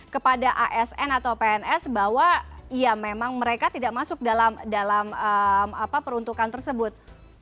kepada asn atau pns bahwa ya memang mereka tidak masuk dalam peruntukan tersebut